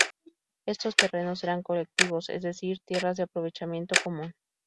Estos terrenos eran colectivos, es decir tierras de aprovechamiento común.